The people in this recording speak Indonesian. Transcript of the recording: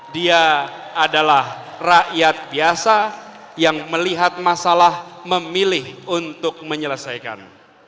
dia adalah rakyat biasa yang melihat masalah memilih untuk menyelesaikan